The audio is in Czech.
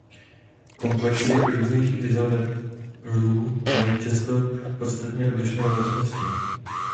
Komplexy různých izomerů mají často podstatně odlišné vlastnosti.